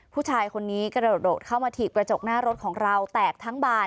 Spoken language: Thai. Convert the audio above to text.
ผู้ชายคนนี้กระโดดโดดเข้ามาถีบกระจกหน้ารถของเราแตกทั้งบาน